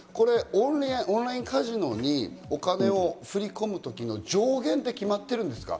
オンラインカジノにお金を振り込む時の上限って決まってるんですか？